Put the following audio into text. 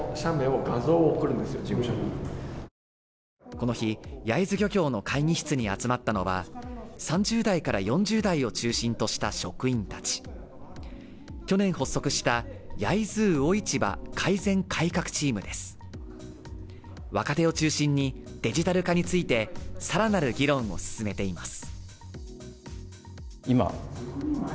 この日、焼津漁協の会議室に集まったのは３０代から４０代を中心とした職員たち去年発足した焼津魚市場改善改革チームです若手を中心にデジタル化についてさらなる議論を進めています